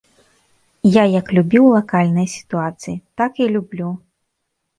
Я як любіў лакальныя сітуацыі, так і люблю.